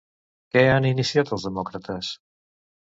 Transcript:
Què han iniciat els demòcrates?